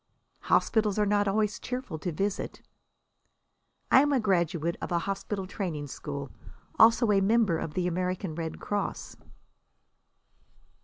"Hospitals are not always cheerful to visit." "I am a graduate of a hospital training school. Also a member of the American Red Cross."